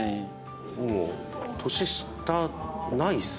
もう年下ないですね。